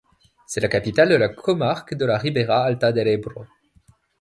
C'est la capitale de la comarque de la Ribera Alta del Ebro.